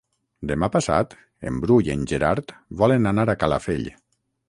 Demà passat en Bru i en Gerard volen anar a Calafell.